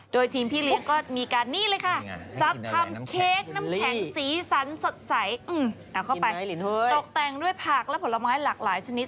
โดยทีมพี่เลี้ยงก็มีการนี่เลยค่ะจัดทำเค้กน้ำแข็งสีสันสดใสเอาเข้าไปตกแต่งด้วยผักและผลไม้หลากหลายชนิด